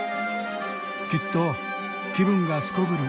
きっと気分がすこぶる